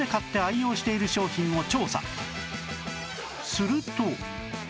すると